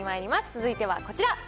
続いてはこちら。